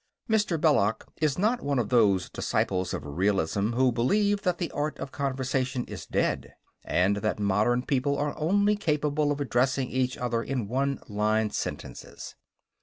_ Mr. Belloc is not one of those disciples of realism who believe that the art of conversation is dead, and that modern people are only capable of addressing each other in one line sentences.